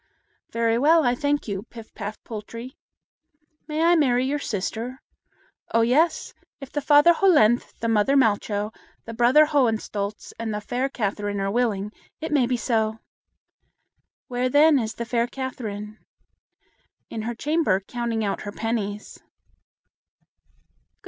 "Very well, I thank you, Pif paf Poltrie." "May I marry your sister?" "Oh, yes! if the father Hollenthe, the mother Malcho, the brother Hohenstolz, and the fair Catherine are willing, it may be so." "Where is, then, the fair Catherine?" "In her chamber, counting out her pennies."